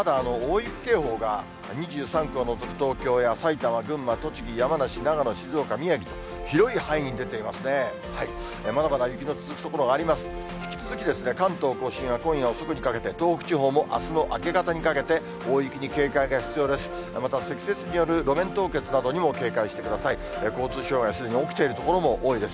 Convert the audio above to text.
引き続き、関東甲信は今夜遅くにかけて、東北地方もあすの明け方にかけて、大雪に警戒が必要です。